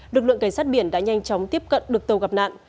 lực lượng cảnh sát biển đã nhanh chóng tiếp cận được tàu gặp nạn